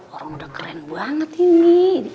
orang udah keren banget ini